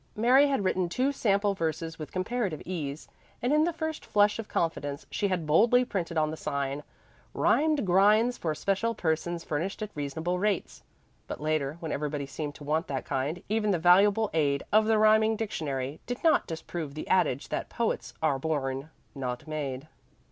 Mary had written two sample verses with comparative ease, and in the first flush of confidence she had boldly printed on the sign: "Rhymed grinds for special persons furnished at reasonable rates." But later, when everybody seemed to want that kind, even the valuable aid of the rhyming dictionary did not disprove the adage that poets are born, not made.